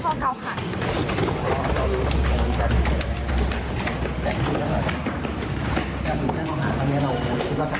กองอฟท์ไม่ตอบอะไรเลยนะคะรวมถึงเมื่อวานี้ที่บิ๊กโจ๊กพาไปคุยกับแอมท์ที่ท่านท่านสถานหญิงกลาง